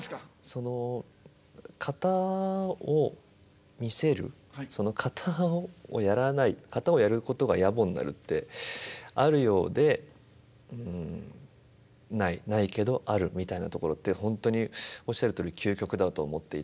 その型を見せる型をやらない型をやることがやぼになるってあるようでないないけどあるみたいなところって本当におっしゃるとおり究極だと思っていて。